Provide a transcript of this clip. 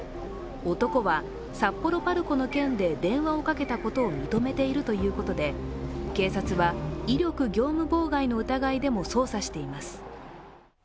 男は札幌ＰＡＲＣＯの件で電話をかけたことを認めているということで警察は、威力業務妨害の疑いでも捜査しています。